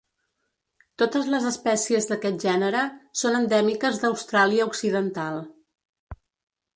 Totes les espècies d'aquest gènere són endèmiques d'Austràlia Occidental.